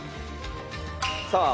さあ